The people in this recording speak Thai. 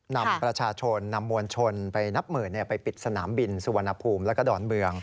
นำประชาชนนำมวลชนไปนับหมื่นไปปิดสนามบินสุวรรณภูมิแล้วก็ดอนเมือง